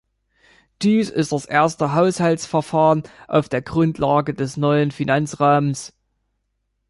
Dies ist das erste Haushaltsverfahren auf der Grundlage des neuen Finanzrahmens.